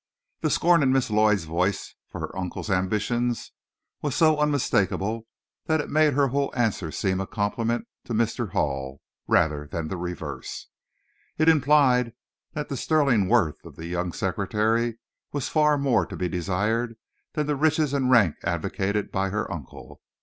The scorn in Miss Lloyd's voice for her uncle's ambitions was so unmistakable that it made her whole answer seem a compliment to Mr. Hall, rather than the reverse. It implied that the sterling worth of the young secretary was far more to be desired than the riches and rank advocated by her uncle.